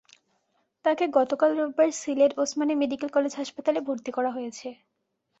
তাঁকে গতকাল রোববার সিলেট ওসমানী মেডিকেল কলেজ হাসপাতালে ভর্তি করা হয়েছে।